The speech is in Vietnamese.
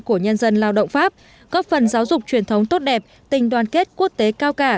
của nhân dân lao động pháp góp phần giáo dục truyền thống tốt đẹp tình đoàn kết quốc tế cao cả